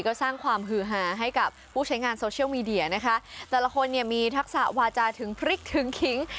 ก็สร้างความฮือหาให้กับผู้ใช้งานโซเชียลมีเดียนะคะแต่ละคนเนี่ยมีทักษะวาจาถึงพริกถึงขิง